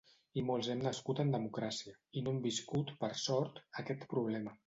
I molts hem nascut en democràcia, i no hem viscut, per sort, aquest problema.